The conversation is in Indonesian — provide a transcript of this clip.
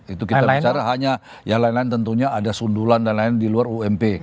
itu kita bicara hanya yang lain lain tentunya ada sundulan dan lain lain di luar ump